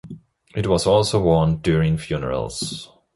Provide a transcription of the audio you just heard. It was also worn during funerals.